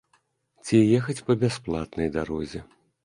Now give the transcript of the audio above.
Ці ехаць па бясплатнай дарозе.